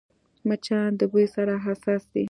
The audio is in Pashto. مچان د بوی سره حساس دي